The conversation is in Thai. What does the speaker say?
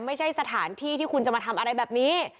ไม่ใช่สถานที่ที่คุณจะมาทำอะไรแบบนี้